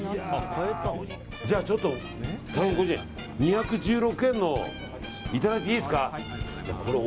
じゃあ、２１６円のをいただいていいですか。